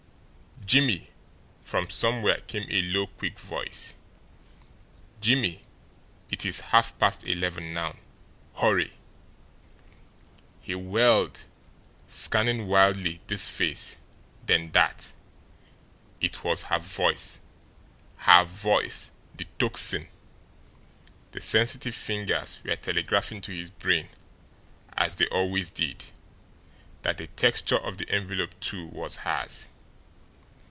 "JIMMIE!" from somewhere came a low, quick voice. "Jimmie, it is half past eleven now HURRY." He whirled, scanning wildly this face, then that. It was her voice HER voice! The Tocsin! The sensitive fingers were telegraphing to his brain, as they always did, that the texture of the envelope, too, was hers.